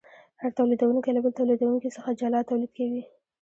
هر تولیدونکی له بل تولیدونکي څخه جلا تولید کوي